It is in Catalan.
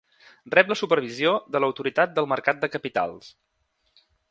Rep la supervisió de l"Autoritat del mercat de capitals.